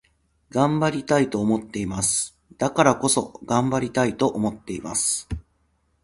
頑張りたいと思っています。だからこそ、頑張りたいと思っています。